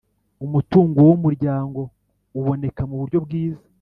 Umutungo w Umuryango uboneka mu buryo bwiza